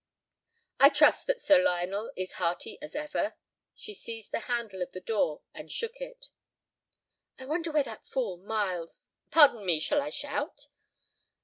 "I trust that Sir Lionel is hearty as ever?" She seized the handle of the door and shook it. "I wonder where that fool—Miles—" "Pardon me, shall I shout?"